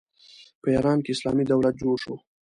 په ایران کې اسلامي دولت جوړ شو.